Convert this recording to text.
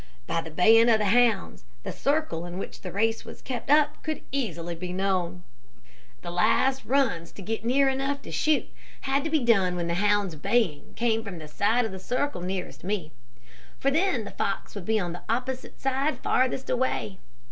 By the baying of the hounds, the circle in which the race was kept up could be easily known. The last runs to get near enough to shoot had to be done when the hounds' baying came from the side of the circle nearest to me. For then the fox would be on the opposite side farthest away.